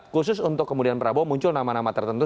khusus untuk kemudian prabowo muncul nama nama tertentu